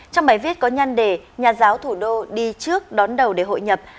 trong bài viết có nhăn đề nhà giáo thủ đô đi trước đón đầu để hội nhập